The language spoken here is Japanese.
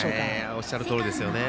おっしゃるとおりですよね。